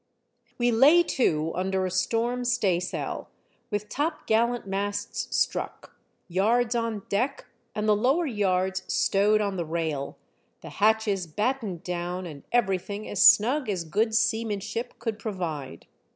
We lay to under a storm staysail with top gallant masts struck, yards on deck and the lower yards stowed on the rail, the hatches battened down and everything as snug as good seamanship could provide.